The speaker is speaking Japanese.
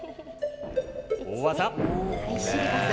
大技！